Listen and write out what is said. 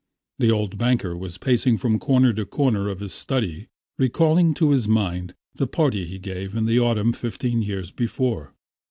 The old banker was pacing from corner to corner of his study, recalling to his mind the party he gave in the autumn fifteen years before.